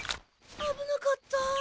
あぶなかった！